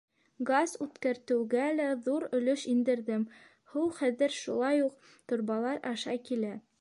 Газ үткәртеүгә лә ҙур өлөш индерҙем, һыу хәҙер шулай уҡ торбалар аша килә.